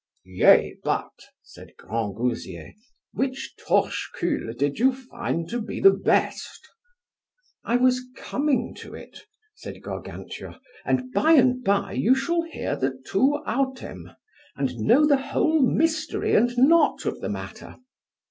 Yea, but, said Grangousier, which torchecul did you find to be the best? I was coming to it, said Gargantua, and by and by shall you hear the tu autem, and know the whole mystery and knot of the matter.